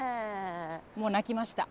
もう泣きました。